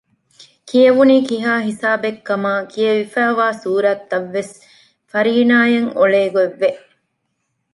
ކިޔެވުނީ ކިހާ ހިސާބެއްކަމާ ކިޔެވިފައިވާ ސޫރަތްތައްވެސް ފަރީނާއަށް އޮޅޭގޮތްވެ